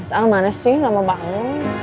masalah mana sih lama bangun